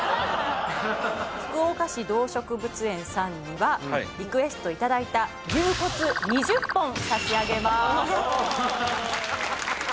福岡市動植物園さんにはリクエストいただいた牛骨２０本差し上げますあっ！